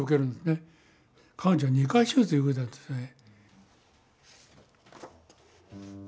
彼女は２回手術を受けてるんですね。